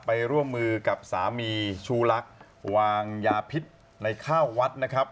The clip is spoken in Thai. ร่วมมือกับสามีชูลักษณ์วางยาพิษในข้าววัดนะครับ